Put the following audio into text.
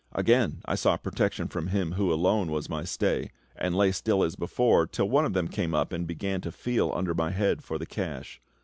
Again I sought protection from Him who alone was my stay, and lay still as before, till one of them came up and began to feel under my head for the cash.